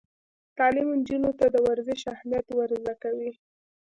تعلیم نجونو ته د ورزش اهمیت ور زده کوي.